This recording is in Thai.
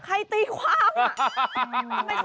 ใครตีความ